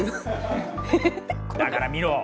だから見ろ！